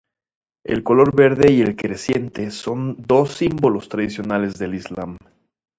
El color verde y el creciente son dos símbolos tradicionales del Islam.